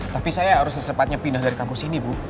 tapi saya harus secepatnya pindah dari kampus ini bu